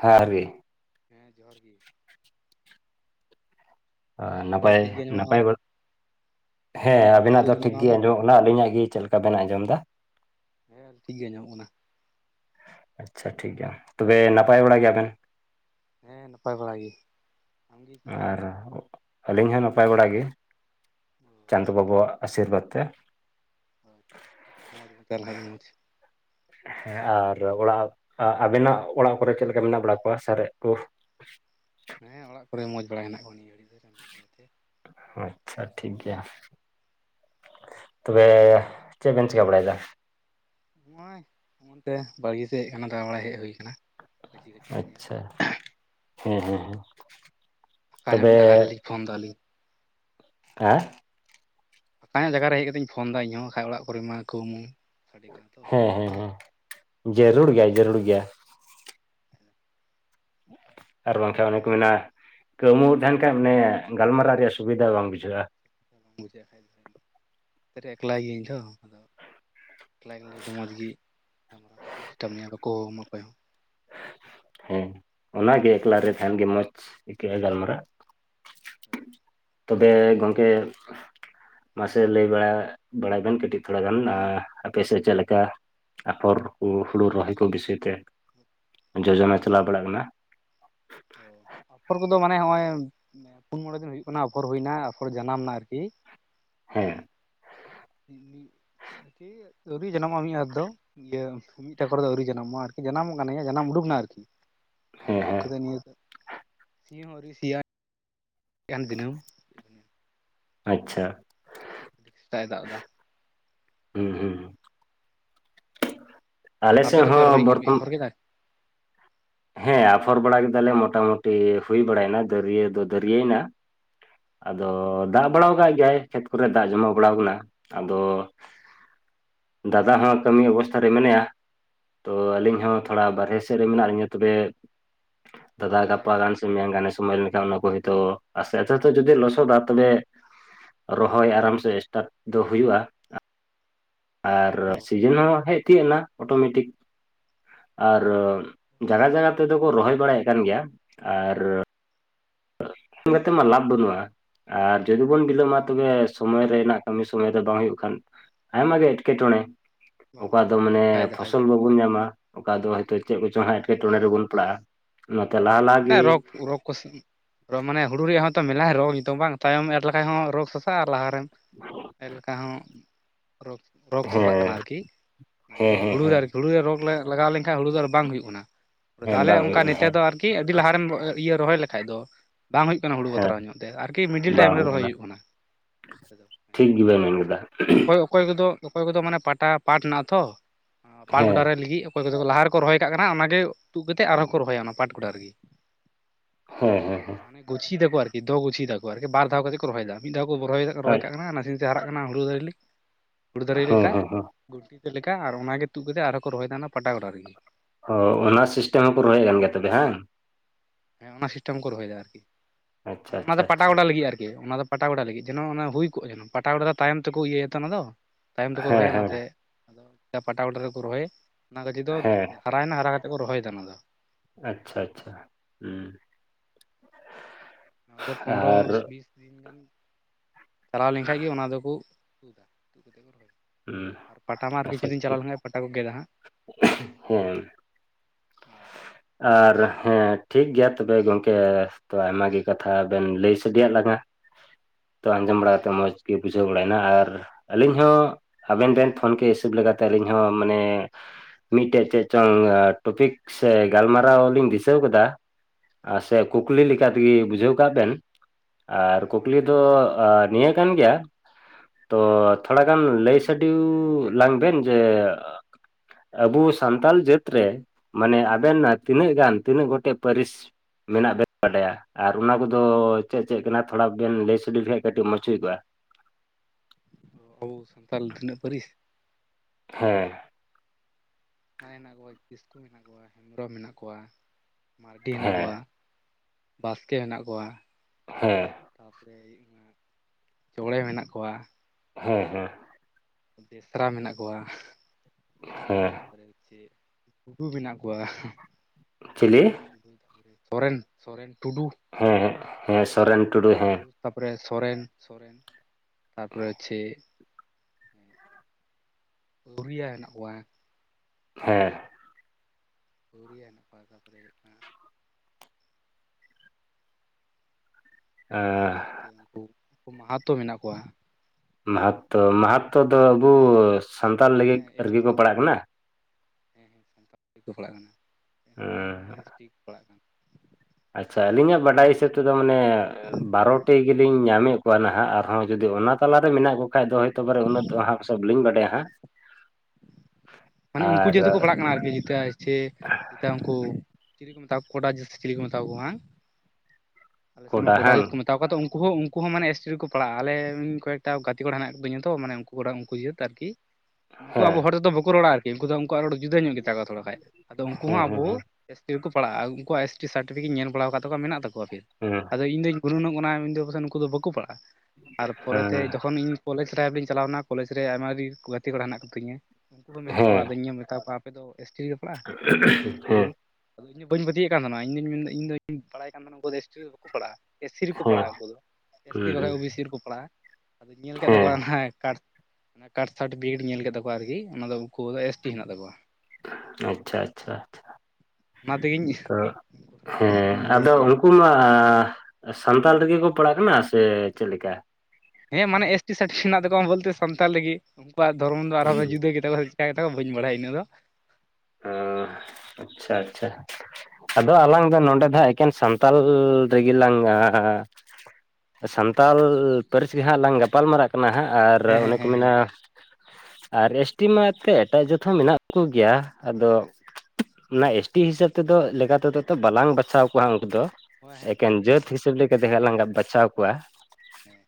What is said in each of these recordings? ᱦᱮᱸ ᱟᱣᱨᱤ ᱾ ᱦᱮᱸ ᱡᱚᱦᱟᱨ ᱜᱮ ᱾ ᱨᱚᱲ ᱱᱟᱯᱟᱭ ᱴᱷᱤᱠ ᱜᱮ ᱟᱸᱡᱚᱢᱚᱜ ᱱᱟᱯᱟᱭ ᱠᱟᱱᱟ ᱵᱟ [inaudible] ᱦᱮᱸ ᱟᱵᱤᱱᱟᱜ ᱫᱚ ᱴᱷᱤᱠ ᱜᱮ ᱟᱸᱡᱚᱢᱚᱜ ᱚᱱᱟ ᱟᱞᱤᱧᱟᱜ ᱜᱮ ᱪᱮᱫ ᱞᱮᱠᱟ ᱵᱮᱱ ᱟᱸᱡᱚᱢ ᱮᱫᱟ? ᱦᱮᱸ ᱴᱷᱤᱠ ᱜᱮ ᱟᱡᱚᱢᱚᱜ ᱠᱟᱱᱟ ᱾ ᱟᱪᱪᱷᱟ ᱴᱷᱤᱠ ᱜᱮᱭᱟ ᱾ ᱛᱚᱵᱮ ᱱᱟᱯᱟᱭ ᱵᱟᱲᱟ ᱜᱮᱭᱟ ᱵᱮᱱ? ᱦᱮᱸ ᱱᱟᱯᱟᱭ ᱵᱟᱲᱟ ᱜᱮ ᱾ ᱟᱨ ᱟᱹᱞᱤᱧ ᱦᱚᱸ ᱱᱟᱯᱟᱭ ᱵᱟᱲᱟ ᱜᱮ [inaudible] ᱪᱟᱸᱫᱚ ᱵᱟᱵᱟᱣᱟᱜ ᱟᱥᱤᱨᱵᱟᱫᱽ ᱛᱮ ᱾ [inaudible] ᱢᱚᱡᱽ ᱛᱟᱦᱮ ᱞᱮᱠᱷᱟᱱ ᱜᱮ ᱢᱚᱡᱽ ᱾ ᱦᱮᱸ ᱟᱨ ᱚᱲᱟᱜ ᱟᱵᱮᱱᱟᱜ ᱚᱲᱟᱜ ᱠᱚᱨᱮ ᱪᱮᱫ ᱞᱮᱠᱟ ᱢᱮᱱᱟᱜ ᱵᱟᱲᱟ ᱠᱚᱣᱟ ᱥᱟᱨᱮᱡ ᱠᱩ? ᱦᱮᱸ ᱚᱲᱟᱜ ᱠᱚᱨᱮ ᱢᱚᱸᱡᱽ ᱵᱟᱲᱟ ᱦᱮᱱᱟᱜ ᱠᱚᱣᱟ [unintelligible] [inaudible] ᱟᱪᱪᱷᱟ ᱴᱷᱤᱠ ᱜᱮᱭᱟ ᱾ [inaudible] ᱛᱚᱵᱮᱻ ᱟᱫᱚ ᱪᱮᱫ ᱵᱮᱱ ᱪᱮᱠᱟ ᱵᱟᱲᱟᱭᱮᱫᱟ? ᱱᱚᱜᱼᱚᱭ ᱮᱢᱚᱱᱛᱮ ᱵᱟᱲᱜᱤ ᱥᱮᱡ ᱦᱮᱡ ᱟᱠᱟᱱᱟ ᱫᱟᱲᱟ ᱵᱟᱲᱟᱭ ᱦᱮᱡ ᱦᱩᱭ ᱟᱠᱟᱱᱟ ᱾ ᱟᱪᱪᱷᱟ [inaudible] ᱦᱮᱸ ᱦᱮᱸ ᱦᱮᱸ ᱾ [inaudible] ᱯᱷᱟᱸᱠᱟ ᱧᱚᱜ ᱛᱚᱵᱮᱻ ᱡᱟᱭᱜᱟ ᱨᱮᱞᱤᱧ ᱯᱷᱳᱱ ᱮᱫᱟ ᱟᱹᱞᱤᱧ [inaudible] ᱦᱮᱸ ᱟᱭᱟᱜ ᱡᱟᱭᱜᱟ ᱨᱮ ᱦᱮᱡ ᱠᱟᱛᱮᱧ ᱯᱷᱳᱱ ᱮᱫᱟ ᱤᱧ ᱦᱚᱸ ᱵᱟᱠᱷᱟᱡ ᱚᱲᱟᱜ ᱠᱚᱨᱮᱢᱟ ᱠᱟᱹᱣᱢᱟᱹ ᱦᱮᱸ ᱦᱮᱸ ᱦᱮᱸ [inaudible] ᱡᱟᱹᱨᱩᱲ ᱚᱱᱟᱛᱮ ᱜᱮᱭᱟ ᱯᱷᱟᱸᱠᱟ ᱧᱚᱜ ᱡᱟᱹᱨᱩᱲ ᱜᱮᱭᱟ ᱾ ᱟᱨ ᱵᱟᱝᱠᱷᱟᱱ ᱚᱱᱮ ᱠᱚ ᱢᱮᱱᱟ ᱠᱟᱹᱣᱢᱟᱹᱣ ᱛᱟᱦᱮᱱ ᱠᱷᱟᱱ ᱟᱱᱮ ᱜᱟᱞᱢᱟᱨᱟᱣ ᱨᱮᱭᱟᱜ ᱥᱩᱵᱤᱫᱷᱟ ᱵᱟᱝ ᱵᱩᱡᱷᱟᱹᱜᱼᱟ ᱾ [unintelligible] [inaudible] [unintelligible] ᱮᱠᱞᱟᱜ ᱜᱤᱭᱟᱹᱧ ᱛᱚ ᱟᱫᱚ ᱮᱠᱞᱟ ᱮᱠᱞᱟ ᱨᱮᱫᱚ ᱢᱚᱡᱽ ᱜᱮ [inaudible] ᱜᱟᱞᱢᱟᱨᱟᱣ ᱠᱚ ᱰᱤᱥᱴᱟᱵᱽ [unintelligible] ᱦᱮᱸ ᱚᱱᱟᱜᱮ ᱮᱠᱞᱟ ᱨᱮ ᱛᱟᱦᱮᱱ ᱜᱮ ᱢᱚᱡᱽ ᱟᱹᱠᱟᱹᱜᱼᱟ ᱜᱟᱞᱢᱟᱨᱟᱜ ᱾ [inaudible] ᱛᱚᱵᱮ ᱜᱚᱝᱠᱮ ᱢᱟᱥᱮ ᱞᱟᱹᱭ ᱵᱟᱲᱟ ᱵᱟᱲᱟᱭ ᱵᱮᱱ ᱠᱟᱹᱴᱤᱡ ᱛᱷᱚᱲᱟ ᱜᱟᱱ ᱟᱸ ᱟᱯᱮ ᱥᱮᱫ ᱪᱮᱫ ᱞᱮᱠᱟ? ᱟᱯᱷᱚᱨ ᱠᱚ ᱦᱩᱲᱩ ᱨᱚᱦᱚᱭ ᱠᱚ ᱵᱤᱥᱚᱭ ᱛᱮ ᱡᱳᱡᱚᱱᱟ ᱪᱟᱞᱟᱣ ᱵᱟᱲᱟᱜ ᱠᱟᱱᱟ ᱾ ᱦᱩᱸ ᱟᱯᱷᱚᱨ ᱠᱚᱫᱚ ᱢᱟᱱᱮ ᱦᱚᱸᱜᱼᱚᱸᱭ ᱯᱩᱱ ᱢᱚᱬᱮ ᱫᱤᱱ ᱦᱩᱭᱩᱜ ᱠᱟᱱᱟ ᱟᱯᱷᱚᱨ ᱦᱩᱭ ᱮᱱᱟ ᱟᱯᱷᱚᱨ ᱡᱟᱱᱟᱢ ᱮᱱᱟ ᱟᱨᱠᱤ ᱾ [inaudible] ᱦᱮᱸ ᱢᱟᱱᱮ [inaudible] ᱪᱮᱫ ᱟᱹᱣᱨᱤ ᱡᱟᱱᱟᱢᱚᱜᱼᱟ ᱢᱤᱫ ᱦᱟᱴ ᱫᱚ ᱾ ᱤᱭᱟᱹ [unintelligible] ᱠᱚᱨᱮ ᱫᱚ ᱟᱹᱣᱨᱤ ᱡᱟᱱᱟᱢᱚᱜᱼᱟ ᱟᱨᱠᱤ ᱡᱟᱱᱟᱢᱚᱜ ᱠᱟᱱᱟ ᱭᱟ ᱡᱟᱱᱟᱢ ᱩᱰᱩᱠ ᱮᱱᱟ ᱟᱨᱠᱤ ᱾ ᱦᱮᱸ ᱡᱟᱱᱟᱢ ᱩᱰᱩᱠ ᱦᱮᱸ ᱠᱟᱱᱟ ᱱᱤᱭᱟᱹ ᱫᱚ ᱾ [inaudible] ᱥᱤ ᱦᱚᱸ ᱟᱹᱣᱨᱤ ᱥᱤᱭᱟ [inaudible] ᱠᱟᱱ ᱫᱤᱱᱟᱹᱢ ᱟᱪᱪᱷᱟ ᱥᱮᱛᱟᱭ [unintelligible] ᱫᱟᱜ ᱮᱫᱟ ᱦᱩᱸ ᱦᱩᱸ ᱟᱯᱮ ᱟᱞᱮᱥᱮᱫ ᱫᱚᱯᱮ ᱨᱚᱦᱚᱭ ᱦᱚᱸ ᱵᱚᱨᱛᱚᱢ ᱟᱯᱷᱚᱨ ᱠᱮᱫᱟ ᱦᱮᱸ ᱟᱯᱷᱚᱨ ᱵᱟᱲᱟ ᱠᱮᱫᱟᱞᱮ ᱢᱚᱴᱟ ᱢᱩᱩᱴᱤ ᱦᱩᱭ ᱵᱟᱲᱟᱭᱱᱟ ᱫᱟᱹᱨᱭᱟᱹ ᱫᱚ ᱫᱟᱹᱨᱭᱱᱟ ᱟᱫᱚ ᱫᱟᱜ ᱵᱟᱲᱟᱣ ᱟᱠᱟᱜ ᱜᱮᱭᱟᱭ ᱠᱷᱮᱛ ᱠᱚᱨᱮ ᱫᱟᱜ ᱡᱚᱢᱟᱣ ᱵᱟᱲᱟᱟᱣ ᱠᱟᱱᱟ ᱟᱫᱚ ᱫᱟᱫᱟ ᱦᱚᱸ ᱠᱟᱹᱢᱤ ᱚᱵᱚᱥᱛᱟ ᱨᱮ ᱢᱮᱱᱟᱭᱟ ᱛᱚ ᱟᱹᱞᱤᱧ ᱦᱚᱸ ᱛᱷᱚᱲᱟ ᱵᱟᱨᱦᱨᱮᱮ ᱥᱮᱫ ᱨᱮ ᱢᱮᱱᱟᱜ ᱞᱤᱧᱟ ᱛᱚᱵᱮ ᱫᱟᱫᱟ ᱵᱟᱨᱦᱮ ᱜᱟᱯᱟ ᱜᱟᱱ [unintelligible] ᱜᱟᱱᱮ ᱥᱚᱢᱚᱭ ᱞᱮᱱᱠᱷᱟᱱ ᱚᱱᱟ ᱠᱚ ᱦᱚᱭᱛᱳ ᱟᱥᱛᱮ ᱟᱥᱛᱮ ᱡᱚᱫᱤ ᱞᱚᱥᱚᱫᱟ ᱛᱚᱵᱮ ᱨᱚᱦᱚᱭ ᱟᱨᱟᱢ ᱥᱮ ᱥᱴᱟᱴ ᱫᱚ ᱦᱩᱭᱩᱜᱼᱟ ᱟᱨ ᱚ ᱥᱤᱡᱤᱱ ᱦᱚᱸ ᱦᱮᱡ ᱛᱤᱭᱟᱹᱜ ᱮᱱᱟ ᱚᱴᱳᱢᱮᱴᱤᱠ ᱟᱨ ᱡᱟᱜᱟ ᱡᱟᱜᱟ ᱛᱮᱫᱚ ᱠᱚ ᱨᱚᱦᱚᱭ ᱵᱟᱲᱟᱭᱮᱫ ᱠᱟᱱ ᱜᱮᱭᱟ ᱟᱨ [unintelligible] [unintelligible] ᱞᱟᱵᱷ ᱵᱟᱹᱱᱩᱜ-ᱟ ᱟᱨ ᱡᱩᱚᱫᱤ ᱵᱚᱱ ᱵᱤᱞᱚᱢᱟ ᱛᱚᱵᱮ ᱥᱚᱢᱚᱭ ᱨᱮᱱᱟᱜ ᱠᱟᱹᱢᱤ ᱥᱚᱢᱚᱭ ᱨᱮᱱᱟᱜ ᱠᱟᱹᱢᱤ ᱥᱚᱢᱚᱭ ᱨᱮ ᱵᱟᱝ ᱦᱩᱭᱩᱜ ᱠᱷᱟᱱ ᱟᱭᱢᱟᱜᱮ ᱮᱴᱠᱮᱴᱚᱬᱮ ᱵᱟᱝ ᱚᱠᱟ ᱫᱚ ᱢᱟᱱᱮ ᱵᱟᱠᱷᱟᱡ ᱫᱚ ᱠᱷᱟᱡ ᱯᱷᱚᱥᱚᱞ ᱵᱟᱵᱚᱱ ᱧᱟᱢᱟ ᱚᱠᱟ ᱫᱚ ᱦᱚᱭᱛ ᱪᱮᱫ ᱠᱚᱪᱚᱝ ᱦᱟᱸᱜ ᱮᱴᱠᱮᱴᱚᱬᱮ ᱨᱮᱵᱚᱱ ᱯᱟᱲᱟᱜᱼᱟ ᱱᱟᱛᱮ ᱞᱟᱦᱟ ᱞᱟᱦᱟ ᱜᱤ ᱯᱚᱨᱚᱠ ᱠᱚᱥᱮᱱ ᱢᱟᱱᱮ ᱦᱩᱲᱩ ᱨᱮᱭᱟᱜ ᱦᱚᱸ ᱛᱚ ᱢᱮᱞᱟᱭᱟ ᱨᱳᱽ ᱫᱚ ᱵᱟᱝ ᱛᱟᱭᱚᱢ ᱮᱨ ᱞᱮᱷᱟᱡ ᱦᱚᱸ ᱨᱳᱜᱽ ᱛᱟ ᱞᱟᱦᱟᱨᱮᱱ ᱮ ᱞᱮᱠᱟ ᱦᱚᱸ ᱨᱳᱠ ᱨᱳᱠ ᱥᱟᱥᱟᱜ ᱠᱟᱱᱟ ᱦᱮᱸ ᱟᱨᱠᱤ ᱚᱱᱟ ᱦᱮᱸ ᱤᱭᱟᱹᱨᱮ ᱦᱮᱸ ᱦᱩᱲᱩ ᱨᱮ ᱦᱮᱸ ᱟᱨᱠᱤ ᱦᱩᱲᱩ ᱨᱮ ᱨᱳᱜᱽ ᱞᱟᱜᱟᱣ ᱞᱮᱱᱠᱷᱟᱱ ᱦᱩᱲᱩ ᱫᱚ ᱟᱨ ᱵᱟᱝ ᱦᱩᱭᱩᱜ ᱠᱟᱱᱟ ᱦᱮᱸ ᱛᱟᱦᱚᱞᱮ ᱵᱟᱝ ᱚᱱᱠᱟ ᱦᱩᱭᱩᱜ ᱠᱟᱱᱟ ᱱᱮᱛᱮ ᱦᱮᱸ ᱫᱚ ᱦᱮᱸ ᱟᱨ ᱠᱤ ᱟᱹᱰᱤ ᱞᱟᱦᱟᱨᱮᱢ ᱤᱭᱟᱹ ᱨᱚᱦᱚᱭ ᱞᱮᱠᱷᱟᱡ ᱫᱚ ᱵᱟᱝ ᱦᱩᱭᱩᱜ ᱠᱟᱱᱟ ᱦᱩᱲᱩ ᱵᱟᱛᱨᱟᱣ ᱧᱚᱜ ᱛᱮ ᱟᱨᱠᱤ ᱢᱤᱰᱤᱞ ᱴᱟᱭᱤᱢ ᱨᱮ ᱨᱚᱦᱚᱭ ᱦᱩᱭᱩᱜ ᱠᱟᱱᱟ ᱴᱷᱤᱠ ᱜᱮᱵᱮᱱ ᱢᱮᱱ ᱠᱟᱫᱟ ᱚᱠᱚᱭ ᱚᱠᱚᱭ ᱠᱚᱫᱚ ᱚᱠᱚᱭ ᱠᱚᱫᱚ ᱢᱟᱱᱮ ᱯᱟᱴᱟ ᱯᱟᱴ ᱦᱮᱱᱟᱜ ᱟ ᱛᱚ ᱯᱟᱴ ᱦᱮᱸ ᱜᱚᱰᱟ ᱨᱮ ᱞᱤᱜᱤᱜ ᱚᱠᱚᱭ ᱠᱚᱫᱚ ᱠᱚ ᱞᱟᱦᱟ ᱨᱮᱠᱚ ᱨᱚᱦᱚᱭ ᱠᱟᱜ ᱠᱟᱱᱟ ᱚᱱᱟᱜᱮ ᱛᱩᱫ ᱠᱟᱛᱮᱜ ᱟᱨᱦᱚᱸ ᱠᱚ ᱨᱚᱦᱚᱭᱟ ᱚᱱᱟ ᱯᱟᱴ ᱠᱚᱲᱟ ᱨᱮᱜᱮ ᱦᱮᱸ ᱦᱮᱸ ᱦᱮᱸ ᱢᱟᱱ ᱜᱩᱪᱷᱤ ᱫᱟᱠᱚ ᱟᱨᱠᱤ ᱫᱚ ᱜᱩᱪᱷᱤᱭ ᱫᱟᱠᱚ ᱟᱨᱠᱤ ᱵᱟᱨᱫᱷᱟᱣ ᱠᱟᱛᱮ ᱠᱚ ᱨᱚᱭᱮᱫᱟ ᱢᱤᱫ ᱫᱷᱟᱣ ᱟᱡ ᱨᱚᱦᱚᱭᱠᱟᱜ ᱠᱟᱱᱟ ᱱᱟᱥᱮ ᱫᱚ ᱦᱟᱨᱟᱜ ᱠᱟᱱᱟ ᱦᱩᱲᱩ ᱫᱟᱹᱞᱤ ᱦᱩᱲᱩ ᱫᱟᱨᱮ ᱦᱮᱸ ᱞᱮᱠᱟ ᱦᱮᱸ ᱦᱮᱸ ᱜᱚᱞᱴᱤ ᱛᱮᱜ ᱞᱮᱠᱟ ᱟᱨ ᱚᱱᱟ ᱜᱮ ᱛᱩᱫ ᱠᱟᱛᱮᱫ ᱟᱨᱦᱚᱸ ᱠᱚ ᱨᱚᱦᱚᱭᱮᱫᱟ ᱚᱱᱟ ᱯᱟᱴᱟ ᱜᱚᱰᱟ ᱨᱮᱜᱮ ᱦᱚ ᱚᱱᱟ ᱥᱤᱥᱴᱮᱢ ᱦᱚᱸᱠᱚ ᱨᱚᱦᱚᱭᱮᱫ ᱠᱟᱱ ᱜᱮᱭᱟ ᱛᱚᱵᱮ ᱦᱟᱝ ᱦᱮᱸ ᱚᱱᱟ ᱥᱤᱥᱴᱮᱢ ᱠᱚ ᱨᱚᱦᱚᱭᱮᱫᱟ ᱟᱨᱠᱤ ᱟᱪᱪᱷᱟ ᱚᱱᱟ ᱟᱪᱪᱷᱟ ᱫᱚ ᱯᱟᱴᱟ ᱟᱪᱪᱷᱟ ᱜᱚᱰᱟ ᱞᱟᱹᱜᱤᱫ ᱟᱨᱠᱤ ᱚᱱᱟ ᱫᱚ ᱯᱟᱴᱟ ᱜᱚᱰᱟ ᱞᱟᱹᱜᱤᱫ ᱡᱮᱱᱚ ᱚᱱᱟ ᱦᱩᱭ ᱠᱚᱜᱼᱟ ᱡᱮᱱᱚ ᱯᱟᱴᱟ ᱜᱚᱰᱟ ᱫᱚ ᱛᱟᱭᱚᱢ ᱛᱮᱠᱚ ᱤᱭᱟᱹᱭᱟᱛᱚ ᱚᱱᱟ ᱫᱚ ᱛᱟᱭᱚᱢ ᱛᱮᱠᱚ ᱦᱮᱸ ᱨᱚᱦᱭᱟ ᱦᱮᱸ ᱚᱱᱟᱛᱮ ᱟᱫᱚ ᱯᱟᱴᱟ ᱜᱚᱰᱟ ᱨᱮᱠᱚ ᱨᱚᱦᱚᱭᱮ ᱚᱱᱟ ᱜᱟᱹᱪᱷᱤ ᱫᱚ ᱦᱮᱸ ᱦᱟᱨᱟᱭᱮᱱᱟ ᱦᱟᱨᱟ ᱠᱟᱛᱮᱫ ᱠᱚ ᱨᱚᱦᱚᱭᱮᱫᱟ ᱚᱱᱟ ᱫᱚ ᱟᱪᱪᱷᱟ ᱟᱪᱪᱷᱟ ᱦᱩᱸ ᱟᱫᱚ ᱯᱚᱱᱨᱚ ᱟᱨ ᱵᱤᱥ ᱫᱤᱱ ᱜᱟᱱ ᱪᱟᱞᱟᱣ ᱞᱮᱱᱠᱷᱟᱡ ᱜᱮ ᱚᱱᱟ ᱫᱚᱠᱚ ᱛᱩᱫᱟ ᱛᱩᱫ ᱠᱟᱛᱮ ᱠᱚ ᱨᱚᱦᱚᱭᱟ ᱦᱩᱸ ᱟᱨ ᱯᱟᱴᱟ ᱢᱟᱨ ᱜᱮ ᱟᱪᱪᱷᱟ ᱡᱩᱫᱤᱧ ᱴᱷᱤᱠ ᱪᱟᱞᱟᱣ ᱞᱮᱱᱠᱷᱟᱱᱡ ᱯᱟᱴᱟ ᱠᱚ ᱜᱮᱫᱟ ᱦᱟᱸᱜ ᱦᱮᱸ ᱟᱨ ᱟᱨ ᱦᱮᱸ ᱴᱷᱤᱠ ᱜᱮᱭᱟ ᱛᱚᱵᱮ ᱜᱚᱝᱠᱮ ᱛᱚ ᱟᱭᱢᱟ ᱜᱮ ᱠᱟᱛᱷᱟ ᱵᱮᱱ ᱞᱟᱹᱭ ᱥᱟᱰᱮᱭᱟᱜ ᱞᱟᱝᱟ ᱛᱚ ᱟᱸᱡᱚᱢ ᱵᱟᱲᱟ ᱠᱟᱛᱮᱫ ᱢᱚᱡᱽ ᱜᱮ ᱵᱩᱡᱷᱟᱹᱣ ᱵᱟᱲᱟᱭᱮᱱᱟ ᱟᱨ ᱟᱹᱞᱤᱧ ᱦᱚᱸ ᱟᱵᱮᱱ ᱵᱮᱱ ᱯᱷᱳᱱ ᱠᱮ ᱦᱤᱥᱟᱹᱵᱽ ᱞᱮᱠᱟᱛᱮ ᱟᱹᱞᱤᱧ ᱦᱚᱸ ᱢᱟᱱᱮ ᱢᱤᱫᱴᱮᱡ ᱪᱮᱫ ᱪᱚᱝ, ᱴᱚᱯᱤᱠ ᱥᱮ ᱜᱟᱞᱢᱟᱨᱟ-ᱣ ᱞᱤᱧ ᱫᱤᱥᱟᱹᱣ ᱟᱠᱟᱫᱟ? ᱟᱨ ᱥᱮ ᱠᱩᱠᱞᱤ ᱞᱮᱠᱟᱛᱮ ᱜᱮ ᱵᱩᱡᱷᱟᱹᱣ ᱠᱟᱜ ᱵᱮᱱ᱾ ᱟᱨ ᱦᱮᱸ ᱢᱟ ᱠᱩᱠᱞᱤ ᱞᱟᱹᱭ ᱫᱚ ᱱᱤᱭᱟᱹ ᱠᱟᱱ ᱜᱮᱭᱟ᱾ ᱛᱚ ᱛᱷᱽᱚᱲᱟ ᱜᱟᱱ ᱞᱟᱹᱭᱥ [unintelligible] ᱞᱟᱝᱵᱮᱱ ᱡᱮ ᱟᱵᱚ ᱥᱟᱱᱛᱟᱞ ᱡᱟᱹᱛ ᱨᱮ, ᱢᱟᱱᱮ ᱟᱵᱮᱱ ᱛᱤᱱᱟᱹᱜ, ᱜᱟᱱ ᱛᱤᱱᱟᱹᱜ ᱜᱚᱴᱮᱡᱸ ᱯᱟᱹᱨᱤᱥ ᱢᱮᱱᱟᱜ ᱵᱮᱱ ᱵᱟᱰᱟᱭᱟ? ᱟᱨ ᱚᱱᱟ ᱠᱚᱼᱫᱚ ᱪᱮᱫ ᱪᱮᱫ ᱠᱟᱱᱟ, ᱛᱷᱽᱚᱲᱟ ᱵᱮᱱ ᱞᱟᱹᱭ ᱥᱟᱰᱮ ᱞᱮᱠᱷᱟᱡ ᱠᱟᱹᱴᱤᱡ ᱢᱚᱸᱡᱷᱽ ᱦᱩᱭ ᱠᱚᱜᱼᱟ᱾ ᱟᱵᱚ ᱥᱟᱱᱛᱟᱞ ᱛᱤᱱᱟᱹᱜ ᱯᱟᱹᱨᱤᱥ? ᱦᱮᱸ ᱢᱟᱭᱱᱟᱜᱚᱡ ᱠᱚᱣᱟ᱾ ᱠᱤᱥᱠᱩ ᱢᱮᱱᱟᱜ ᱠᱚᱣᱟ᱾ ᱦᱮᱢᱵᱨᱚᱢ ᱢᱮᱱᱟᱜ ᱠᱚᱣᱟ᱾ ᱢᱟᱨᱰᱤᱸ ᱦᱮᱱᱟᱜ ᱦᱮᱸ ᱠᱚᱣᱟ ᱾ ᱵᱟᱥᱠᱮᱸ ᱦᱮᱱᱟᱜ ᱠᱚᱣᱟ᱾ ᱦᱮᱸ ᱛᱟᱯᱚᱨᱮ ᱦᱩᱭᱩᱜ ᱠᱟᱱᱟ᱾ ᱪᱚᱬᱮᱸ ᱢᱮᱱᱟᱜ ᱠᱚᱣᱟ᱾ ᱦᱮᱸ- ᱦᱮᱸ ᱵᱮᱥᱨᱟ ᱢᱮᱱᱟᱜ ᱠᱚᱣᱟ᱾ ᱦᱮᱸ [unintelligible] ᱴᱩᱰᱩ ᱢᱮᱱᱟᱜ ᱠᱚᱣᱟ᱾ ᱪᱤᱞᱮ ᱥᱚᱨᱮᱱ ᱥᱚᱨᱮᱱ ᱴᱩᱰᱩ ᱦᱮᱸ ᱾ ᱦᱮᱸ, ᱦᱮᱸ ᱥᱚᱨᱮᱱ, ᱴᱩᱰᱩ ᱦᱮᱸ ᱛᱟᱯᱚᱨᱮ ᱥᱚᱨᱮᱱ, ᱥᱚᱨᱮᱱ ᱛᱟᱨᱯᱚᱨᱮ ᱟᱪᱷᱮ [inaudible] ᱩᱜᱤᱭᱟ ᱦᱮᱱᱟᱜ ᱠᱚᱣᱟ᱾ ᱦᱮᱸ ᱯᱟᱹᱣᱨᱤᱭᱟ ᱦᱮᱱᱟᱜ ᱠᱚᱣᱟ ᱛᱟᱯᱚᱨᱮ [unintelligible] ᱛᱟᱯᱚᱨᱮ ᱛᱮ ᱩᱱᱠᱩ ᱩᱱᱠᱩ ᱢᱟᱦᱟᱛᱚ ᱢᱮᱱᱟᱜ ᱠᱚᱣᱟ᱾ ᱢᱟᱦᱟᱛᱚ᱾ ᱢᱟᱦᱟᱛᱚ ᱫᱚ ᱟᱵᱚ ᱥᱟᱱᱛᱟᱞ ᱞᱟᱹᱜᱤᱫ ᱦᱮᱸ ᱟᱨᱜᱤ ᱠᱚ ᱮᱥᱴᱤ ᱯᱟᱲᱟᱜ ᱠᱟᱱᱟ? ᱦᱮᱸ ᱦᱮᱸ ᱥᱟᱱᱛᱟᱲ ᱛᱮᱠᱚ ᱯᱟᱲᱟ-ᱜ ᱠᱟᱱᱟ᱾ ᱩᱸ ᱱᱚᱣᱟ ᱮᱥ ᱴᱤ ᱯᱟᱲᱟᱜ ᱠᱟᱱ᱾ ᱟᱪᱪᱷᱟ ᱟᱹᱞᱤᱧᱟᱜ ᱵᱟᱰᱟᱭ ᱦᱤᱥᱟᱹᱵ ᱱᱤᱛᱳᱜ ᱫᱚ ᱢᱟᱱᱮ ᱵᱟᱨᱚᱴᱤ ᱜᱮᱞᱤᱧ ᱧᱟᱢᱮᱫ ᱠᱚᱣᱟ᱾ ᱱᱟᱦᱟᱜ ᱟᱨᱦᱚᱸ ᱡᱩᱫᱤ ᱚᱱᱟ ᱛᱟᱞᱟ ᱨᱮ ᱢᱮᱱᱟᱜ ᱠᱚ ᱵᱟᱠᱷᱽᱟᱡ ᱫᱚ ᱦᱳᱭᱛᱳ ᱵᱟᱞᱮ ᱩᱱᱟᱹᱜ ᱫᱚ ᱾ ᱦᱟᱸᱜ ᱥᱚᱵ ᱞᱤᱧ ᱵᱟᱰᱟᱭᱟ ᱾ᱦᱟᱸᱜ ᱢᱟᱱᱮ ᱩᱱᱠᱩ ᱟᱨ ᱡᱮᱦᱮᱛᱩ ᱠᱚ ᱯᱟᱲᱦᱟ-ᱜ ᱠᱟᱱᱟ ᱾ᱟᱨᱠᱤ ᱡᱮᱴᱟ - ᱮᱥ ᱴᱤ ᱡᱮᱴᱟ ᱩᱱᱠᱩ ᱪᱤᱞᱤ ᱠᱚ ᱢᱮᱛᱟ ᱠᱚᱰᱟ᱾ ᱡᱟᱹᱥ ᱪᱤᱞᱤ ᱠᱚ ᱢᱮᱛᱟ ᱠᱚᱣᱟᱝ ᱾ᱟᱞᱮ ᱥᱮᱫ ᱠᱚᱰᱟ ᱢᱟ ᱠᱚᱰᱟᱸ ᱦᱟᱝ ᱡᱟᱹᱛ ᱠᱚ [inaudible] ᱛᱟᱨᱯᱳᱨᱮ ᱛᱚ ᱩᱱᱠᱩ ᱦᱚᱸ ᱩᱱᱠᱩ ᱦᱚᱸ ᱢᱟᱱᱮ ᱮᱥ ᱴᱤ ᱨᱮᱠᱚ ᱯᱟᱲᱟᱜ᱾ ᱟᱞᱮ ᱠᱚᱭᱠᱴᱟ ᱜᱟᱛᱮ ᱠᱚᱲᱟ ᱦᱮᱱᱟ-ᱜ ᱠᱚᱛᱤᱧᱟ ᱛᱚ ᱾ᱢᱟᱱᱮ ᱩᱱᱠᱩ ᱠᱚᱲᱟ ᱩᱱᱠᱩ ᱡᱟᱹᱛ ᱟᱨᱠᱤ ᱱᱩᱠᱩ ᱦᱮᱸ ᱟᱵᱚ ᱦᱚᱲ ᱛᱮᱫᱚ ᱵᱟᱠᱚ ᱨᱚᱲᱟ᱾ ᱟᱨᱠᱤ ᱩᱱᱠᱩ ᱫᱚ ᱩᱱᱠᱩᱣᱟ-ᱜ ᱨᱚᱲ ᱡᱩᱫᱟᱹ ᱧᱚᱜ ᱜᱮᱛᱟ ᱠᱚᱣᱟ᱾ ᱛᱷᱚᱲᱟ ᱠᱷᱟᱡ ᱟᱫᱚ ᱩᱱᱠᱩ ᱦᱮᱸ ᱦᱚᱸ ᱦᱮᱸ ᱟᱵᱚ ᱮᱥ ᱴᱤ ᱨᱮᱠᱚ ᱯᱟᱲᱟᱜᱼᱟ᱾ ᱩᱱᱠᱩᱣᱟᱜ ᱮᱥ ᱴᱤ ᱥᱟᱭᱴᱳᱯᱤᱠᱮᱴ ᱧᱮᱞ ᱵᱟᱲᱟ ᱠᱟᱫ ᱛᱟᱠᱚᱣᱟ᱾ ᱢᱮᱱᱟᱜ ᱛᱟᱠᱚᱣᱟ ᱯᱷᱤᱨ ᱦᱮᱸ ᱟᱫᱚ ᱤᱧᱫᱚᱧ ᱜᱩᱱᱟᱹᱱᱚᱜ ᱠᱟᱱᱟ ᱢᱤᱫᱟᱹ ᱯᱟᱥᱮᱡ ᱱᱩᱠᱩ ᱫᱚ ᱵᱟᱠᱚ ᱯᱟᱲᱟᱜᱼᱟ ᱾ ᱟᱨ ᱯᱚᱨᱮ ᱦᱮᱸ ᱛᱮ ᱡᱚᱠᱷᱚᱱ ᱤᱧ ᱠᱚᱞᱮᱡᱽ ᱞᱟᱭᱤᱯᱷ ᱨᱤᱧ ᱪᱟᱞᱟᱣᱱᱟ᱾ ᱠᱚᱞᱮᱡᱽ ᱨᱮ ᱟᱭᱢᱟ ᱰᱤᱨ ᱜᱟᱛᱮ ᱠᱚᱲᱟ ᱦᱮᱱᱟᱜ ᱠᱚᱛᱤᱧᱟ᱾ ᱩᱱᱠᱩ ᱦᱚᱸ ᱢᱮᱱᱟᱜ ᱠᱚᱣᱟ ᱦᱮᱸ ᱟᱫᱚ ᱤᱧ ᱢᱮᱛᱟ ᱠᱚᱣᱟ ᱟᱯᱮ ᱫᱚ ᱮᱥ ᱴᱤ ᱨᱮᱜᱮ ᱯᱟᱲᱟᱜ-ᱟ᱾ ᱦᱮᱸ ᱟᱞᱮ ᱫᱚ ᱮᱥ ᱴᱤ ᱨᱮᱜᱤ ᱟᱫᱚ ᱤᱧ ᱵᱟᱹᱧ ᱯᱟᱛᱭᱟᱹ ᱠᱟᱱ ᱛᱟᱦᱮᱱᱟ ᱤᱧ ᱫᱚᱧ ᱢᱮᱱ ᱫᱟ ᱤᱧᱫᱚᱧ ᱵᱟᱲᱟᱭ ᱠᱟᱱ ᱛᱟᱦᱮᱱᱟ ᱾ᱩᱱᱠᱩ ᱫᱚ ᱮᱥ ᱴᱤ ᱨᱮᱫᱚ ᱵᱟᱠᱚ ᱯᱟᱲᱟᱜᱼᱟ᱾ ᱮᱥ ᱥᱤ ᱨᱮᱠᱚ ᱦᱮᱸ ᱯᱟᱲᱟᱜᱼᱟ᱾ ᱩᱱᱠᱩ ᱫᱚ ᱮᱥ ᱥᱤ ᱦᱩᱸ ᱵᱟᱠᱷᱟᱡ ᱦᱩᱸ ᱳ ᱵᱤ ᱥᱤ ᱨᱮᱠᱚ ᱯᱟᱲᱟᱜᱼᱟ᱾ ᱟᱫᱚ ᱧᱮᱞ ᱠᱮᱫ ᱦᱮᱸ ᱛᱟᱠᱚᱣᱟ ᱦᱟᱸᱜ, ᱠᱟᱴ ᱚᱱᱟ ᱠᱟᱥᱴ ᱥᱟᱭᱴᱤᱯᱷᱤᱠᱮᱴ ᱧᱮᱞ ᱠᱮᱫ ᱛᱟᱠᱚᱣᱟ ᱟᱨᱠᱤ ᱚᱱᱟ ᱫᱚ ᱩᱱᱠᱩ ᱫᱚ ᱮᱥᱤᱴ ᱦᱮᱱᱟᱜ ᱛᱟᱠᱚᱣᱟ᱾ ᱟᱪᱪᱷᱟ ᱟᱪᱪᱷᱟ ᱟᱪᱪᱷᱟ ᱚᱱᱟ ᱛᱮᱜᱤᱧ ᱛᱚ ᱦᱮᱸ ᱟᱫᱚ ᱞᱟᱹᱭᱮᱫ ᱟᱱᱠᱩ ᱢᱟ ᱥᱟᱱᱛᱟᱞ ᱨᱮᱜᱮ ᱠᱚ ᱯᱟᱲᱟᱜ ᱠᱟᱱᱟ ᱥᱮ ᱪᱮᱫᱮ ᱞᱮᱠᱟ? ᱦᱮᱸ ᱢᱟᱱᱮ ᱮᱥᱴᱤ ᱥᱟᱭᱴᱤᱯᱤᱠᱤᱴ ᱦᱮᱱᱟᱜ ᱛᱟᱠᱚᱣᱟ ᱵᱚᱞᱛᱮ ᱥᱟᱱᱛᱟᱞ ᱞᱟᱹᱜᱤᱫ ᱩᱱᱠᱩᱣᱟᱜ ᱫᱷᱚᱨᱚᱢ ᱫᱚ ᱟᱨᱦᱚᱸ ᱡᱩᱫᱟᱹ ᱜᱮᱛᱟ ᱠᱚᱣᱟ [unintelligible] ᱵᱟᱹᱧ ᱵᱟᱲᱟᱭᱟ ᱤᱱᱟᱹ ᱫᱚ᱾ ᱟᱸ ᱟᱪᱪᱷᱟ ᱟᱪᱪᱷᱟ᱾ ᱟᱫᱚ ᱟᱞᱟᱝ ᱫᱚ ᱱᱚᱰᱮ ᱫᱚ ᱦᱟᱸᱜ ᱮᱠᱮᱱ ᱥᱟᱱᱛᱟᱞ ᱨᱮᱜᱮ ᱞᱟᱝ ᱟᱸ ᱥᱟᱱᱛᱟᱲ ᱯᱟᱹᱨᱤᱥ ᱜᱮ ᱦᱟᱸᱜ ᱞᱟᱝ ᱜᱟᱯᱟᱞ ᱢᱟᱨᱟᱜ ᱠᱟᱱᱟ ᱦᱟᱸᱜ ᱟᱨ ᱦᱮᱸ ᱟᱨ ᱦᱮᱸ ᱚᱱᱮ ᱠᱚ ᱦᱮᱸ ᱢᱮᱱᱟ ᱦᱮᱸ ᱟᱨ ᱮᱥᱴᱤ ᱢᱟ ᱛᱮᱫ ᱮᱴᱟᱜ ᱡᱟᱹᱛ ᱦᱚᱸ ᱢᱮᱱᱟᱜ ᱠᱚᱜᱮᱭᱟ᱾ ᱟᱫᱚ ᱚᱱᱟ ᱮᱥᱴᱤ ᱦᱤᱥᱟᱹᱵᱽ ᱛᱮᱫᱚ ᱞᱮᱠᱟ ᱛᱮᱫᱚ ᱛᱚ ᱵᱟᱞᱟᱝ ᱵᱟᱪᱷᱟᱣ ᱠᱚᱣᱟ ᱦᱟᱸᱜ ᱩᱱᱠᱩ ᱫᱚ᱾ ᱦᱳᱭ ᱦᱮᱸ ᱮᱠᱮᱱ ᱴᱷᱤᱠ ᱜᱮᱭᱟ ᱴᱷᱤᱠ ᱡᱟᱹᱛ ᱦᱤᱥᱟᱹᱵᱽ ᱜᱮᱭᱟ ᱞᱮᱠᱟᱛᱮ ᱦᱟᱸᱜ ᱦᱳᱭ ᱞᱟᱝ ᱦᱳᱭ ᱵᱟᱪᱷᱟᱣ ᱠᱚᱣᱟ᱾ ᱦᱮᱸ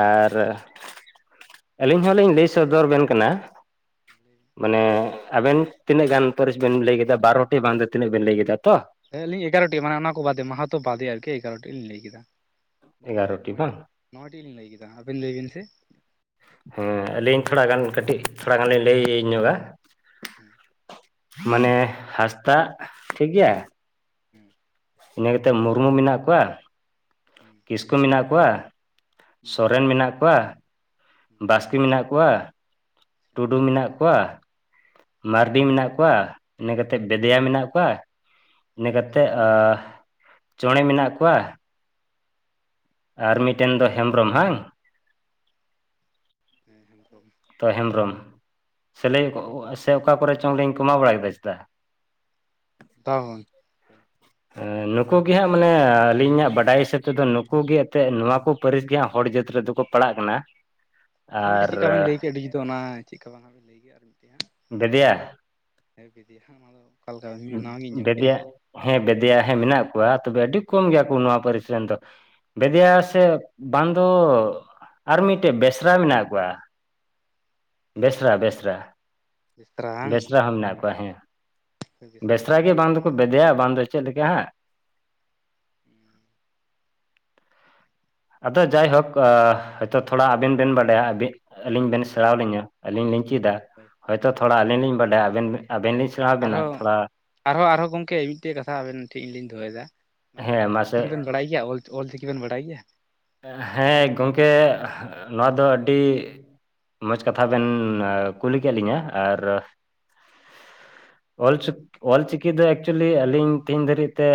ᱟᱨ ᱟᱹᱞᱤᱧ ᱦᱚᱸᱞᱤᱧ ᱞᱟᱹᱭ ᱥᱚᱫᱚᱨ ᱵᱮᱱ ᱠᱟᱱᱟ᱾ ᱦᱮᱸ ᱞᱟᱹᱭ ᱵᱤᱱ᱾ ᱢᱟᱱᱮ ᱟᱵᱮᱱ ᱛᱤᱱᱟᱹᱜ ᱜᱟᱱ ᱯᱟᱹᱨᱤᱥ ᱵᱮᱱ ᱞᱟᱹᱭ ᱠᱮᱫᱟ ᱵᱟᱨᱚᱴᱤ ᱵᱟᱝ ᱫᱚ ᱛᱤᱱᱟᱹᱜ ᱵᱮᱱ ᱞᱟᱹᱭ ᱠᱮᱫᱟ ᱛᱚ᱾ ᱦᱮ ᱟᱹᱞᱤᱧ ᱮᱜᱟᱨᱚᱴᱤ ᱢᱟᱱᱮ ᱚᱱᱟ ᱠᱚ ᱵᱟᱫᱮ ᱢᱟᱦᱟᱛᱚ ᱵᱟᱫᱮ ᱟᱨᱠᱤ ᱮᱜᱟᱨᱚᱴᱤ ᱞᱤᱧ ᱞᱟᱹᱭ ᱠᱮᱫᱟ᱾ ᱱᱚᱭ ᱴᱤᱡ ᱮᱜᱟᱨᱚᱴᱤ ᱱᱚᱭ ᱵᱟᱝ ᱱᱚᱭ ᱴᱤᱡ ᱞᱤᱧ ᱞᱟᱹᱭ ᱠᱮᱫᱟ ᱟᱵᱮᱱ ᱞᱟᱹᱭ ᱵᱤᱱ ᱥᱮ᱾ ᱦᱮᱸ ᱟᱹᱞᱤᱧ ᱛᱷᱚᱲᱟ ᱜᱟᱱ ᱠᱟᱹᱴᱤᱡ ᱛᱷᱚᱲᱟ ᱜᱟᱱ ᱞᱤᱧ ᱞᱟᱹᱭ ᱧᱚᱜ-ᱟ᱾ ᱦᱩᱸ ᱢᱟᱱᱮ ᱦᱟᱸᱥᱫᱟᱜ ᱴᱷᱤᱠ ᱜᱮᱭᱟ᱾ ᱦᱩᱸ ᱤᱱᱟᱹ ᱠᱟᱛᱮᱫ ᱢᱩᱨᱢᱩ ᱢᱮᱱᱟᱜ ᱠᱚᱣᱟ᱾ ᱦᱩᱸ ᱠᱤᱥᱠᱩ ᱢᱮᱱᱟᱜ ᱠᱚᱣᱟ, ᱥᱚᱨᱮᱱ ᱢᱮᱱᱟᱜ ᱠᱚᱣᱟ, ᱦᱮᱸ ᱵᱟᱥᱠᱮ ᱢᱮᱱᱟᱜ ᱠᱚᱣᱟ, ᱟᱪᱪᱷᱟ ᱴᱩᱰᱩ ᱢᱮᱱᱟᱜ ᱠᱚᱣᱟ, ᱢᱟᱨᱰᱤ ᱢᱮᱱᱟᱜ ᱠᱚᱣᱟ ᱤᱱᱟᱹ ᱠᱟᱛᱮᱫ ᱵᱮᱫᱮᱭᱟ ᱢᱮᱱᱟᱜ ᱠᱚᱣᱟ᱾ ᱤᱱᱟᱹ ᱠᱟᱛᱮᱫ ᱟᱸ ᱪᱚᱬᱮ ᱢᱮᱱᱟᱜ ᱠᱚᱣᱟ᱾ ᱟᱨ ᱢᱤᱫᱴᱮᱱ ᱫᱚ ᱦᱮᱢᱵᱽᱨᱚᱢ ᱵᱟᱝ᱾ ᱦᱮᱸ ᱦᱮᱢᱵᱽᱨᱚᱢ ᱛᱚ ᱦᱮᱢᱵᱽᱨᱚᱢ ᱥᱮᱞᱮᱧ ᱥᱮ ᱚᱠᱟ ᱠᱚᱨᱮ ᱪᱚᱝ ᱨᱮᱧ ᱠᱚᱢᱟ ᱵᱟᱲᱟ ᱠᱮᱫᱟ ᱪᱮᱛᱟ᱾ ᱵᱟᱝ ᱜᱚᱝ- ᱮ ᱱᱩᱠᱩ ᱜᱮ ᱦᱟᱸᱜ ᱢᱟᱱᱮ ᱟᱹᱞᱤᱧᱟᱜ ᱵᱟᱰᱟᱭ ᱦᱤᱥᱟᱹᱵᱽ ᱛᱮᱫᱚ ᱱᱩᱠᱩ ᱜᱮ ᱟᱛᱮᱫ ᱱᱚᱣᱟ ᱠᱚ᱾ ᱯᱟᱹᱨᱤᱥ ᱜᱮ ᱦᱟᱸᱜ ᱦᱚᱲ ᱡᱟᱹᱛ ᱨᱮ ᱫᱚᱠᱚ ᱯᱟᱲᱟᱜ ᱠᱟᱱᱟ᱾ ᱟᱨᱦᱚᱸ ᱢᱤᱫᱴᱮᱱ ᱟᱨ ᱪᱮᱫᱠᱟ ᱵᱮᱱ ᱞᱟᱹᱭ ᱠᱮᱫ ᱟᱹᱰᱤ ᱡᱩᱛ ᱚᱱᱟ [inaudible] ᱵᱮᱫᱮᱭᱟ ᱦᱮᱸ ᱵᱮᱫᱮᱭᱟ ᱦᱟᱸᱜ ᱚᱱᱟ ᱫᱚ ᱚᱠᱟᱞᱮᱠᱟ ᱤᱧ ᱢᱟ ᱱᱟᱣᱟ ᱜᱤᱧ ᱟᱸᱡᱚᱢ ᱠᱮᱫ-ᱟ᱾ ᱵᱮᱫᱮᱭᱟ ᱦᱮᱸ ᱵᱮᱫᱮᱭᱟ ᱦᱮᱸ ᱢᱮᱱᱟᱜ ᱠᱚᱣᱟ ᱛᱚᱵᱮ ᱟᱹᱰᱤ ᱠᱚᱢ ᱜᱮᱭᱟ ᱠᱚ ᱱᱚᱣᱟ ᱯᱟᱹᱨᱤᱥ ᱨᱮᱱ ᱫᱚ᱾ ᱵᱮᱫᱤᱭᱟ ᱥᱮ ᱵᱟᱝ ᱫᱚ ᱟᱨ ᱢᱤᱫᱴᱮᱡ ᱵᱮᱥᱨᱟ ᱢᱮᱱᱟᱜ ᱠᱚᱣᱟ᱾ ᱵᱮᱥᱨᱟ ᱵᱮᱥᱨᱟ᱾ ᱵᱮᱥᱨᱟ ᱵᱟᱝ ᱵᱮᱥᱨᱟ ᱦᱚᱸ ᱢᱮᱱᱟᱜ ᱠᱚᱣᱟ ᱦᱮᱸ ᱵᱮᱥᱨᱟ ᱦᱚᱸ ᱜᱮ ᱟᱹᱞᱤᱧ ᱵᱟᱝ ᱫᱚᱠᱚ ᱵᱟᱹᱞᱤᱧ ᱵᱮᱫᱮᱭᱟ ᱵᱟᱝ ᱪᱮᱫ ᱞᱮᱠᱟ ᱦᱟᱸᱜ᱾ ᱦᱩᱸ ᱟᱫᱚ ᱡᱟᱭ ᱦᱳᱠ ᱦᱚᱭ ᱛᱚ ᱛᱷᱚᱲᱟ ᱟᱵᱮᱱ ᱵᱮᱱ ᱵᱟᱰᱟᱭᱟ ᱟᱵᱤᱱ ᱟᱹᱞᱤᱧ ᱵᱮᱱ ᱦᱳᱭ ᱥᱮᱲᱟ ᱟᱞᱤᱧᱟᱹ᱾ ᱟᱞᱤᱧ ᱞᱤᱧ ᱪᱮᱫᱟ ᱦᱳᱭ ᱦᱚᱭ ᱛᱚ ᱛᱷᱚᱲᱟ ᱦᱳᱭ ᱟᱹᱞᱤᱧ ᱞᱤᱧ ᱵᱟᱰᱟᱭᱟ ᱟᱵᱮᱱ ᱟᱵᱮᱱ ᱞᱤᱧ ᱥᱮᱬᱟ ᱵᱮᱱᱟ ᱟᱨᱦᱚᱸ ᱛᱷᱚᱲᱟ ᱟᱨᱦᱚᱸ ᱟᱨᱦᱚᱸ ᱜᱚᱝᱠᱮ ᱢᱤᱫᱴᱮᱡ ᱠᱟᱛᱷᱟ ᱟᱵᱮᱱ ᱴᱷᱤᱡ ᱞᱤᱧ ᱫᱚᱦᱚᱭᱱ ᱮᱫᱟ ᱢᱟᱱᱮ ᱦᱮᱸ ᱟᱵᱮᱱ ᱫᱚ ᱢᱟᱥᱮ ᱚᱞᱪᱤᱠᱤ ᱵᱮᱱ ᱵᱟᱲᱟᱭ ᱜᱮᱭᱟ ᱚᱞ ᱚᱞ ᱪᱤᱠᱤ ᱵᱮᱱ ᱵᱟᱲᱟᱭ ᱜᱮᱭᱟ? ᱦᱮᱸ ᱜᱚᱝᱠᱮ ᱱᱚᱣᱟ ᱫᱚ ᱟᱹᱰᱤ ᱢᱚᱡᱽ ᱠᱟᱛᱷᱟ ᱵᱮᱱ ᱠᱩᱞᱤ ᱠᱮᱫ ᱞᱤᱧᱟᱹ ᱟᱨᱼᱼ ᱚᱞᱚ ᱚᱞᱪᱤᱠᱤ ᱫᱚ ᱮᱠᱪᱩᱭᱮᱞᱤ ᱟᱹᱞᱤᱧ ᱛᱮᱦᱤᱧ ᱫᱷᱟᱹᱨᱤᱡ ᱛᱮᱼᱼ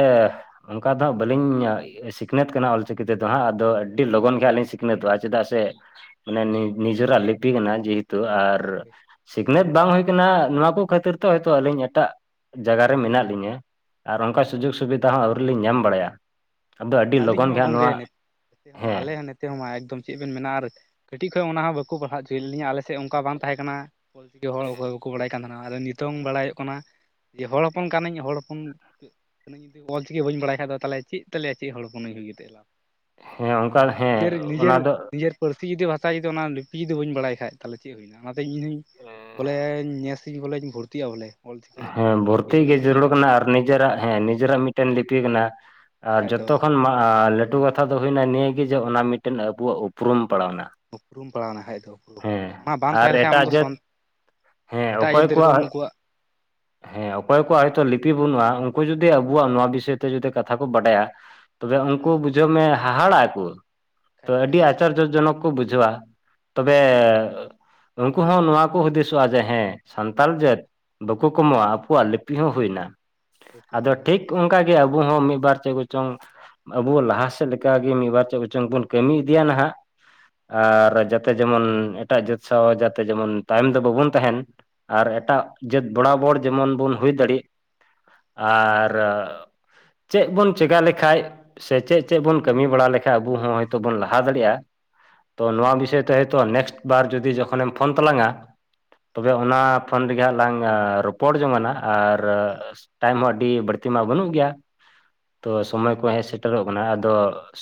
ᱚᱱᱠᱟ ᱫᱚ ᱦᱟᱸᱜ ᱵᱟᱹᱞᱤᱧ ᱥᱤᱠᱷᱱᱟᱹᱛ ᱟᱠᱟᱱᱟ ᱚᱞᱪᱤᱠᱤ ᱛᱮᱫᱚ ᱦᱟᱸᱜ᱾ ᱟᱫᱚ ᱟᱹᱰᱤ ᱞᱚᱜᱚᱱ ᱜᱮ ᱞᱤᱧ ᱥᱤᱠᱷᱱᱟᱹᱛᱚᱜᱼᱟ ᱪᱮᱫᱟᱜ ᱥᱮ ᱢᱟᱱᱮ ᱱᱤᱡᱮᱨᱟᱜ ᱞᱤᱯᱤ ᱠᱟᱱᱟ ᱡᱮᱼᱼ ᱛᱚ ᱟᱨᱼᱼ ᱦᱳᱭ ᱦᱳᱭ ᱥᱤᱠᱷᱱᱟᱹᱛ ᱵᱟᱝ ᱦᱩᱭ ᱠᱟᱱᱟ ᱱᱚᱣᱟ ᱠᱚ ᱠᱷᱟᱹᱛᱤᱨ ᱛᱮ ᱦᱚᱭᱛᱳ ᱟᱹᱞᱤᱧ ᱮᱴᱟᱜ ᱡᱟᱭᱜᱟ ᱨᱮ ᱢᱮᱱᱟᱜ ᱞᱤᱧᱟ᱾ ᱟᱨ ᱚᱱᱠᱟ ᱥᱩᱡᱳᱜᱽ ᱥᱩᱵᱤᱫᱷᱟ ᱦᱚᱸ ᱟᱹᱣᱨᱤ ᱞᱤᱧ ᱧᱟᱢ ᱵᱟᱲᱟᱭᱟ ᱟᱫᱚ ᱟᱹᱰᱤ ᱟᱹᱞᱤᱧ ᱞᱚᱜᱚᱱ ᱦᱚᱸᱢᱟ ᱜᱮᱦᱟᱸᱜ ᱜᱚᱢᱠᱮ ᱱᱚᱣᱟᱼᱼ ᱱᱚᱛᱮ ᱟᱞᱮ ᱱᱛᱮ ᱦᱸ ᱢᱟ ᱮᱠᱫᱚᱢ ᱪᱮᱫ ᱵᱮᱱ ᱢᱮᱱᱟ ᱟᱨ ᱠᱟᱹᱴᱤᱡ ᱠᱷᱚᱡ ᱚᱱᱟ ᱦᱚᱸ ᱵᱟᱠᱚᱼᱼ ᱯᱟᱲᱦᱟᱣ ᱪᱚᱭᱮᱫ ᱞᱤᱧᱟᱹ ᱟᱞᱮ ᱥᱮᱫ ᱚᱱᱠᱟ ᱵᱟᱝ ᱛᱟᱦᱮᱸ ᱠᱟᱱᱟ ᱚᱞ ᱪᱤᱠᱤ ᱦᱚᱲ [unintelligible] ᱵᱟᱲᱟᱭ ᱠᱟᱱ ᱛᱟᱦᱮᱱᱟ ᱟᱨ ᱱᱤᱛᱚᱝ ᱵᱟᱲᱟᱭᱚᱜ ᱠᱟᱱᱟ ᱡᱮ ᱦᱚᱲ ᱦᱚᱯᱚᱱ ᱠᱟᱹᱱᱟᱹᱧ ᱦᱚᱲ ᱦᱚᱯᱚᱱᱼᱼ ᱚᱞ ᱪᱤᱠᱤ ᱵᱟᱹᱧ ᱵᱟᱲᱟᱭ ᱠᱷᱟ ᱫᱚ ᱛᱟᱦᱚᱞᱮ ᱪᱮᱫ ᱛᱟᱞᱮᱭᱟ ᱪᱮᱫ ᱦᱚᱯᱱ ᱩᱭ ᱠᱟᱛᱮ ᱫᱚ ᱦᱮᱸ ᱚᱱᱟ ᱚᱱᱠᱟ ᱤᱧᱟᱹᱜ ᱦᱮᱸ ᱱᱤᱡᱮᱨ ᱱᱤᱡᱮᱨ ᱚᱱᱟ ᱫᱚ ᱱᱤᱡᱮᱨ ᱯᱟᱹᱨᱥᱤ ᱡᱩᱫᱤ ᱵᱷᱟᱥᱟ ᱡᱩᱫᱤ ᱚᱱᱟ ᱞᱤᱯᱤ ᱡᱩᱫᱤ ᱵᱟᱹᱧ ᱵᱟᱲᱟᱭ ᱠᱷᱟᱡ, ᱛᱟᱦᱚᱞᱮ ᱪᱮᱫ ᱦᱩᱭᱱᱟ ᱚᱱᱟᱛᱮ ᱤᱧᱦᱩᱧ ᱵᱚᱞᱮ ᱱᱮᱥ ᱤᱧ ᱵᱚᱞᱮᱧ ᱵᱷᱚᱨᱛᱤᱜᱼᱟ ᱵᱚᱞᱮ᱾ ᱚᱞ ᱪᱤᱠᱤ ᱨᱮ ᱵᱚᱞᱮ ᱦᱮᱸ ᱚᱞ ᱪᱤᱠᱤ ᱵᱷᱚᱨᱛᱤ ᱜᱮ ᱵᱚᱞᱮᱧ ᱪᱮᱫ ᱡᱟᱹᱨᱩᱲ ᱟ ᱠᱟᱱᱟ ᱟᱨ ᱱᱤᱡᱮᱨᱟᱜ ᱦᱮᱸ ᱱᱤᱡᱮᱨᱟᱜ ᱢᱤᱫᱴᱮᱱ ᱞᱤᱯᱤ ᱢᱮᱱᱮᱟᱼᱜ ᱟᱨ ᱵᱟᱠᱷᱟᱡ ᱫᱚ ᱡᱚᱛᱚ ᱠᱷᱚᱱ ᱞᱴᱩᱼᱼ ᱠᱟᱛᱷᱟ ᱫᱚ ᱦᱩᱭᱱᱟ ᱱᱤᱭᱟᱹᱜᱮ ᱡᱮ ᱚᱱᱟ ᱢᱤᱫᱴᱮᱱ ᱟᱵᱚᱣᱟᱜ ᱩᱯᱨᱩᱢ ᱯᱟᱲᱟᱣᱱᱟ᱾ ᱩᱯᱨᱩᱢ ᱯᱟᱲᱟᱣᱱᱟ [unintelligible] ᱦᱮᱸ ᱚᱱᱟ ᱵᱟᱝ ᱟᱨ ᱛᱟᱦᱮᱸ ᱞᱮᱠᱟᱱᱡ ᱟᱢ ᱮᱴᱟᱜ ᱫᱚ ᱥᱚᱼᱼ ᱡᱟᱹᱛ ᱦᱮᱸ ᱮᱴᱟᱜ ᱚᱠᱚᱭ [unintelligible] ᱠᱚᱣᱟᱜ ᱩᱱᱠᱩᱣᱟᱜ᱾ ᱦᱮᱸ ᱚᱠᱚᱭ ᱠᱚᱣᱟᱜ ᱦᱚᱭᱛᱳ ᱞᱤᱯᱤ ᱵᱟᱹᱱᱩᱜᱼᱟ ᱩᱱᱠᱩ ᱡᱩᱫᱤ ᱟᱵᱚᱣᱟᱜ ᱱᱚᱣᱟ ᱵᱤᱥᱚᱭ ᱛᱮ ᱡᱩᱫᱤ ᱠᱟᱛᱷᱟ ᱠᱚ ᱵᱟᱰᱟᱭᱟ᱾ ᱛᱚᱵᱮ ᱩᱱᱠᱩ ᱵᱩᱡᱷᱟᱹᱣ ᱢᱮ ᱦᱟᱦᱟᱲᱟᱜᱼᱟᱚ ᱠᱷᱟᱡ ᱛᱚ ᱫᱚ ᱠᱷᱟᱡ ᱟᱹᱰᱤ ᱫᱚ ᱟᱪᱟᱨᱡᱚ ᱡᱚᱱᱚᱠ ᱠᱚ ᱵᱩᱡᱷᱟᱹᱣᱟ᱾ ᱛᱚᱵᱮ ᱩᱱᱠᱩ ᱦᱚᱸ ᱱᱚᱣᱟ ᱠᱚ ᱦᱩᱫᱤᱥᱚᱜᱼᱟ ᱡᱮ ᱦᱮᱸ ᱥᱟᱱᱛᱟᱞ ᱡᱟᱹᱛ, ᱵᱟᱠᱚ ᱠᱚᱢᱚᱜᱣᱟ ᱟᱠᱚᱣᱟᱜ ᱞᱤᱯᱤ ᱦᱚᱸ ᱦᱩᱭᱱᱟ ᱯᱟᱹᱛᱭᱟᱹᱣ ᱟᱫᱚ ᱦᱩᱭᱮᱱ ᱴᱷᱤᱠ ᱛᱟᱢᱟ ᱚᱱᱠᱟᱼᱼ ᱟᱵᱚ ᱦᱚᱸ ᱢᱤᱫ ᱵᱟᱨ ᱪᱮᱫ ᱠᱚᱪᱚᱝᱼᱼ ᱟᱵᱚ ᱞᱟᱦᱟ ᱥᱮᱫ ᱞᱮᱠᱟᱜᱮ ᱢᱤᱫᱵᱟᱨ ᱪᱮᱫ ᱠᱪᱚᱝ ᱵᱚᱱ ᱠᱟᱹᱢᱤ ᱤᱫᱤᱭᱟ ᱦᱟᱜ ᱦᱳᱭ ᱟᱨ ᱡᱟᱛᱼᱼ ᱡᱟᱛᱮ ᱡᱮᱢᱚᱱ ᱮᱴᱟᱜ ᱡᱟᱹᱛ ᱥᱟᱶ ᱡᱟᱛᱮ ᱡᱮᱢᱚᱱ ᱛᱟᱭᱚᱢ ᱫᱚ ᱵᱟᱵᱚᱱ ᱛᱟᱦᱮᱱ ᱟᱨ ᱮᱴᱟᱜᱼᱼ ᱡᱟᱹᱛ ᱵᱚᱲᱟᱵᱚᱲ ᱡᱮᱢᱚᱱ ᱵᱚᱱ ᱦᱩᱭ ᱫᱟᱲᱮᱜ ᱟᱨᱼᱼ ᱪᱮᱫ ᱵᱚᱱ ᱪᱮᱠᱟ ᱞᱮᱠᱷᱟᱜᱼᱼ ᱥᱮ ᱪᱮᱫ ᱪᱮᱫ ᱵᱚᱱ ᱠᱟᱹᱢᱤ ᱵᱟᱲᱟ ᱞᱮᱠᱷᱟᱱ ᱟᱵᱚ ᱦᱚᱸ ᱦᱭᱛ ᱵᱚᱱ ᱞᱟᱦᱟ ᱫᱟᱲᱮᱭᱟᱜᱼᱟ᱾ ᱛᱚ ᱦᱮᱸ ᱱᱚᱣᱟ ᱵᱤᱥᱚᱭ ᱛᱮ ᱦᱚᱭᱛᱚ ᱱᱮᱠᱥᱴ ᱵᱟᱨ ᱡᱩᱫᱤ ᱡᱚᱠᱷᱚᱱᱮᱢ ᱯᱷᱳᱱ ᱛᱟᱞᱟᱝᱼᱟ᱾ ᱛᱚᱵᱮ ᱚᱱᱟ ᱯᱷᱳᱱ ᱨᱮᱜᱮ ᱦᱟᱸᱜ ᱞᱟᱝ ᱨᱚᱯᱚᱲ ᱡᱚᱝ ᱟᱱᱟᱜ ᱟᱨᱼᱼ ᱦᱳᱭ ᱴᱟᱭᱤᱢ ᱦᱚᱸ ᱟᱹᱰᱤ ᱵᱟᱹᱲᱛᱤ ᱢᱟ ᱵᱟᱹᱱᱩᱜ ᱜᱮᱭᱟ ᱛᱚ ᱥᱚᱢᱚᱭ ᱴᱟᱭᱤᱢ ᱠᱚ ᱢᱟ ᱦᱮᱡ ᱦᱩᱭᱱᱟ ᱥᱮᱴᱮᱨᱚᱜ ᱟᱱᱟ ᱟᱫᱚ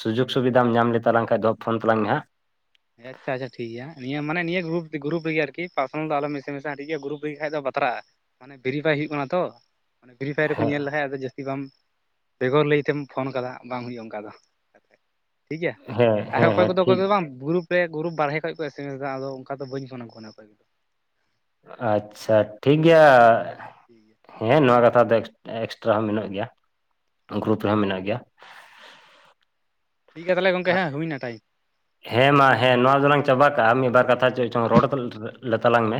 ᱥᱩᱡᱳᱜᱽ ᱥᱩᱵᱤᱫᱷᱟᱢ ᱧᱟᱢ ᱞᱮᱛᱟᱞᱟᱝ ᱠᱷᱟᱱ ᱫᱚ ᱯᱷᱳᱱ ᱛᱟᱞᱟᱝ ᱢᱮ ᱦᱟᱸᱜᱼᱼ ᱟᱪᱪᱷᱟ ᱟᱪᱪᱷᱟ ᱴᱷᱤᱠ ᱜᱮᱭᱟ ᱱᱤᱭᱟᱹ ᱢᱟᱱᱮ ᱱᱤᱭᱟᱹ ᱜᱨᱩᱯ ᱜᱩᱨᱩᱯ ᱨᱮᱜᱮ ᱟᱨᱠᱤ ᱯᱟᱨᱥᱱᱟᱞ ᱫᱚ ᱟᱞᱚᱢ ᱮᱥᱮ ᱢᱮ ᱥᱟ ᱟ ᱴᱷᱤᱠ ᱜᱮᱭᱟ ᱜᱩᱨᱩᱯ ᱨᱮᱜᱮ ᱫᱚ ᱵᱟᱛᱨᱟᱜᱼᱟ᱾ ᱢᱟᱱᱮ ᱵᱷᱮᱨᱤᱯᱷᱟᱭ ᱦᱩᱭᱩᱜ ᱠᱟᱱᱟ ᱛᱚ ᱢᱟᱱᱮ ᱵᱷᱮᱨᱤᱯᱷᱟᱭ ᱨᱮᱠᱚ ᱦᱮᱸ ᱧᱮᱞ ᱞᱮᱠᱷᱟᱱ ᱡᱟᱹᱥᱛᱤ ᱵᱟᱢᱼᱼ ᱵᱮᱜᱚᱨ ᱞᱟᱹᱭ ᱛᱮᱢ ᱯᱷᱳᱱ ᱠᱟᱫᱟ ᱵᱟᱝ ᱦᱩᱭᱩᱜᱼᱟ ᱚᱱᱠᱟ ᱫᱚ, ᱴᱷᱤᱠ ᱜᱮᱭᱟ ᱦᱮᱸ ᱟᱨᱦᱚᱸ ᱦᱮᱸ ᱚᱠᱚᱭ ᱦᱮᱸ ᱠᱚᱫᱚ ᱚᱠᱚᱭ ᱴᱷᱤᱠ ᱠᱚᱫᱚ ᱵᱟᱝ ᱵᱩᱞᱼᱼ ᱜᱩᱨᱩᱯ ᱵᱟᱨᱦᱮ ᱠᱷᱚᱱ ᱠᱚ ᱮᱥᱮᱢᱮᱥ ᱮᱫᱟ ᱟᱫᱚ ᱚᱱᱠᱟ ᱫᱚ ᱵᱟᱹᱧ ᱯᱷᱱᱟᱢ ᱠᱚ ᱠᱟᱱᱟ ᱚᱠᱚᱭ ᱠᱚᱫᱚ ᱟᱪᱪᱷᱟ ᱴᱷᱤᱠ ᱜᱮᱭᱟ᱾ [inaudible] ᱦᱮᱸ ᱱᱚᱣᱟ ᱠᱟᱛᱷᱟ ᱫᱚ ᱮᱠᱥᱴᱨᱟ ᱦᱚᱸ ᱢᱮᱱᱟᱜ ᱜᱮᱭᱟ ᱦᱮᱸ᱾ ᱜᱩᱨᱩᱯ ᱨᱮᱦᱚᱸ ᱢᱮᱱᱟᱜ ᱜᱮᱭᱟ᱾ ᱴᱷᱤᱠ ᱜᱮᱭᱟ ᱛᱟᱦᱚᱞᱮ ᱜᱚᱝᱠᱮ ᱟ- ᱦᱮᱸ ᱦᱩᱭᱮᱱᱟ ᱴᱟᱭᱤᱢ ᱦᱮᱸ ᱢᱟ ᱦᱮᱸ ᱱᱚᱣᱟ ᱫᱚᱞᱟᱝ ᱪᱟᱵᱟ ᱠᱟᱜᱼᱟ ᱢᱤᱫ ᱵᱟᱨ ᱠᱟᱛᱷᱟ ᱪᱮᱫ ᱪᱚᱝ ᱨᱚᱲ ᱞᱮ ᱛᱟᱞᱟᱝ ᱢᱮ?